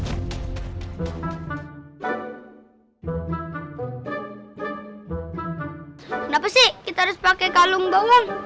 kenapa sih kita harus pakai kalung bawang